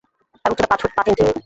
তার উচ্চতা পাঁচ ফুট পাঁচ ইঞ্চি।